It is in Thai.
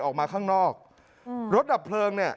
ออกมาข้างนอกอืมรถดับเพลิงเนี่ย